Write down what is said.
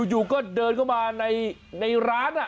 อยู่ก็เดินเข้ามาในร้าน